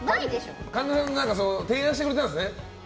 神田さんが提案してくださったんですね。